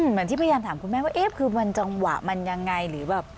เหมือนที่พยายามถามคุณแม่ว่าเอ๊ะคือมันจังหวะมันยังไงหรือแบบ